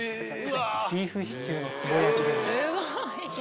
ビーフシチューのつぼ焼きでございます。